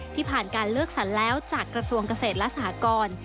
ผ่านการเลือกสรรแล้วจากกระทรวงเกษตรและสหกร